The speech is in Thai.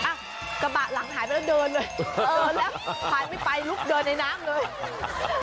อ่ะกระบะหลังหายไปแล้วเดินเลยเดินแล้วผ่านไม่ไปลุกเดินในน้ำเลย